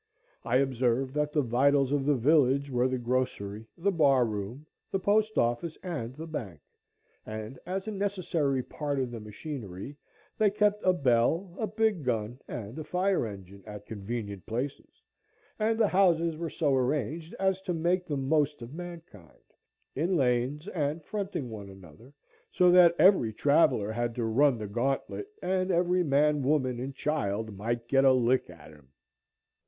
I observed that the vitals of the village were the grocery, the bar room, the post office, and the bank; and, as a necessary part of the machinery, they kept a bell, a big gun, and a fire engine, at convenient places; and the houses were so arranged as to make the most of mankind, in lanes and fronting one another, so that every traveller had to run the gantlet, and every man, woman, and child might get a lick at him.